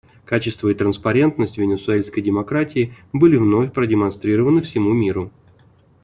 Качество и транспарентность венесуэльской демократии были вновь продемонстрированы всему миру.